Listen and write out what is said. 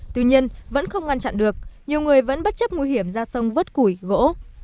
tuy nhiên vẫn không ngăn chặn được nhiều người vẫn bất chấp nguy hiểm ra sông vớt củi gỗ